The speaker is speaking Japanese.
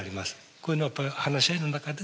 こういうのはやっぱ話し合いの中でですね